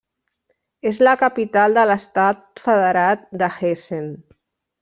És la capital de l'estat federat de Hessen.